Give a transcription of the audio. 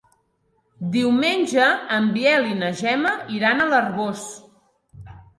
Diumenge en Biel i na Gemma iran a l'Arboç.